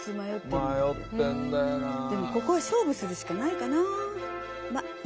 でもここは勝負するしかないかなあ。